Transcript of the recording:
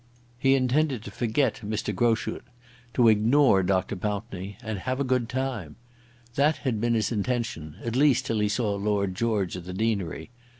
He intended to forget Mr. Groschut, to ignore Dr. Pountney, and have a good time. That had been his intention, at least till he saw Lord George at the deanery.